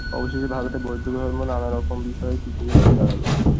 অবশেষে ভারতে বৌদ্ধধর্ম নানাপ্রকার বিষয়ের খিচুড়ি হইয়া দাঁড়াইল।